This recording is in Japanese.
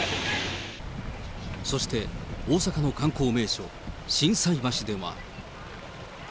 そして、大阪の観光名所、心斎橋では。